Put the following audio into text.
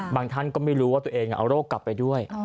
ท่านก็ไม่รู้ว่าตัวเองเอาโรคกลับไปด้วย